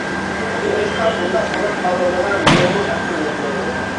نېمىشقا ئۇنداق بولۇپ قالغىنىغا مېنىڭمۇ ئەقلىم يەتمەيدۇ.